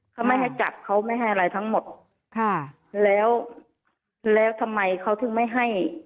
เขาไม่ให้จับเขาไม่ให้อะไรทั้งหมดค่ะแล้วแล้วทำไมเขาถึงไม่ให้